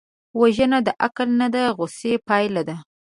وژنه د عقل نه، د غصې پایله ده